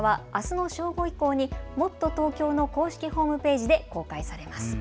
業者はあすの正午以降にもっとＴｏｋｙｏの公式ホームページで公開されます。